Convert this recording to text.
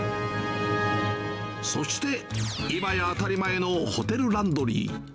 そして、今や当たり前のホテルランドリー。